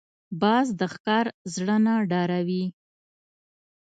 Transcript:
باز د ښکار زړه نه ډاروي